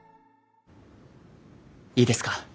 いいですか？